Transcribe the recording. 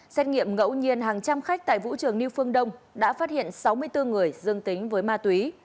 xét nghiệm ngẫu nhiên hàng trăm khách tại vũ trường new phương đông đã phát hiện sáu mươi bốn người dương tính với ma túy